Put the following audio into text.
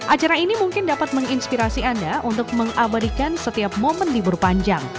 acara ini mungkin dapat menginspirasi anda untuk mengabadikan setiap momen libur panjang